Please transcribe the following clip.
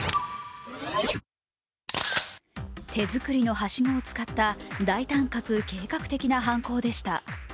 手づくりのはしごを使った大胆かつ計画的な犯行でした。